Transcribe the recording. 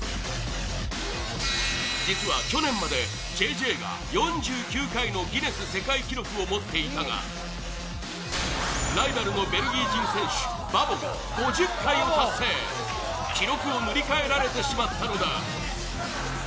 実は去年までＪＪが４９回のギネス世界記録を持っていたがライバルのベルギー人選手バボが５０回を達成、記録を塗り替えられてしまったのだ。